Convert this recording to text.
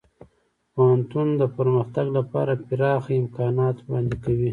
پوهنتون د پرمختګ لپاره پراخه امکانات وړاندې کوي.